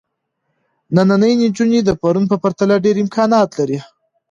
نننۍ نجونې د پرون په پرتله ډېر امکانات لري.